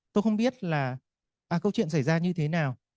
tôi không biết là câu chuyện xảy ra như thế nào